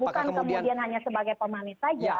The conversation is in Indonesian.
bukan kemudian hanya sebagai pemanis saja